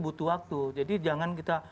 butuh waktu jadi jangan kita